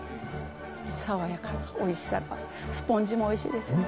爽やかなおいしさがスポンジもおいしいですよね